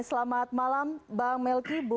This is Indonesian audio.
selamat malam bang melki